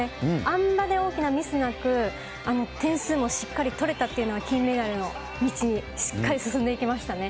あん馬で大きなミスなく、点数もしっかり取れたというのは、金メダルの道、しっかり進んでいきましたね。